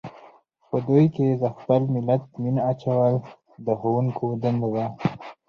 په دوی کې د خپل ملت مینه اچول د ښوونکو دنده ده.